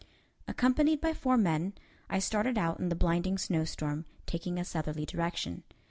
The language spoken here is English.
Accompanied by four men, I started out in the blinding snowstorm, taking a southerly direction.